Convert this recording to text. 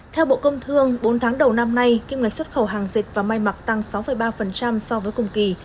theo bộ công thương bốn tháng đầu năm nay kim ngạch xuất khẩu hàng dịch và may mặc tăng sáu ba so với cùng kỳ